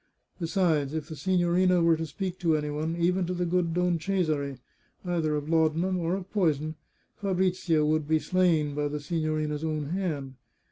Besides, if the signorina were to speak to any one, even to the good Don Cesare, either of laudanum or of poison, Fabrizio would be slain by the sig^orina's own hand.